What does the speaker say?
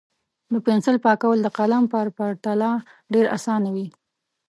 د پنسل پاکول د قلم په پرتله ډېر اسانه وي.